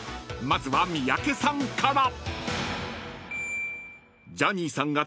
まずは三宅さんから］